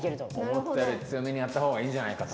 思ったより強めにやったほうがいいんじゃないかと。